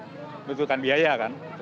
karena sangat butuhkan biaya kan